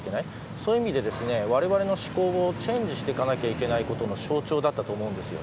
そういう意味でわれわれの思考をチェンジしていかなければいけないということの象徴だったと思うんです。